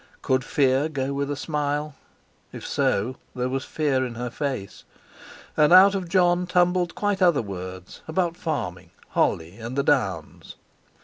Could fear go with a smile? If so, there was fear in her face. And out of Jon tumbled quite other words, about farming, Holly, and the Downs.